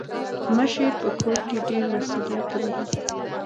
مشر په کور کي ډير مسولیت لري.